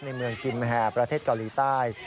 ในเมืองกิมแฮร์ประเทศเกาหลีใต้